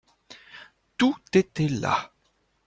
Tout était là.